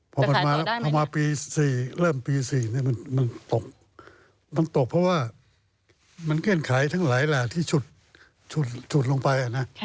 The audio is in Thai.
พอมันมาเริ่มปี๔มันตกเพราะว่ามันเคลื่อนไขทั้งหลายแหล่ะที่ฉุดลงไป